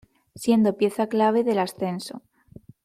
Siendo pieza clave del ascenso.